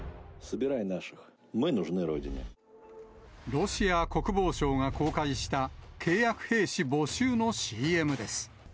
ロシア国防省が公開した契約兵士募集のＣＭです。